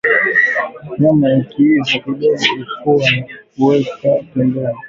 Nyama ikiiva kidogo ipua na kuweka pembeni